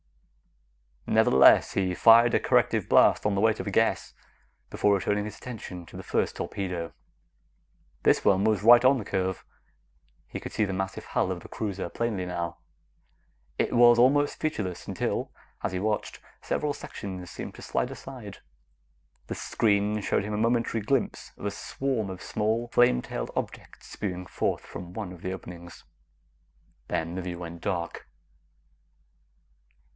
Nevertheless, he fired a corrective blast on the weight of the guess, before returning his attention to the first torpedo. This one was right on the curve. He could see the massive hull of the cruiser plainly now. It was almost featureless until, as he watched, several sections seemed to slide aside. The screen showed him a momentary glimpse of a swarm of small, flame tailed objects spewing forth from one of the openings. Then the view went dark.